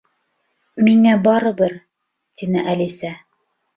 —Миңә барыбер... —тине Әлисә.